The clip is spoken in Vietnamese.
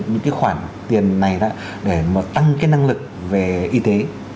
những cái khoản tiền này để tăng cái năng lực về y tế